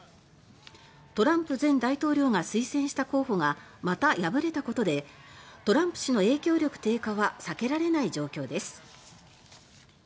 トランプ前大統領が推薦した候補がまた敗れたことでトランプ氏の影響力低下は避けられない状況です。